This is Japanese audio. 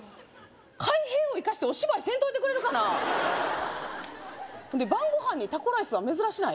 開閉を生かしてお芝居せんといてくれるかなで晩ご飯にタコライスは珍しない？